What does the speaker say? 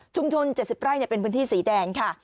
ชุมชน๗๐ไร่เนี่ยเป็นพื้นที่สีแดงค่ะ